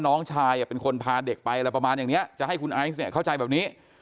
น้องชายเป็นคนพาเด็กไปอะไรประมาณอย่างนี้จะให้คุณไอซ์เนี่ยเข้าใจแบบนี้